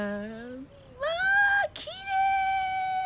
まあきれい！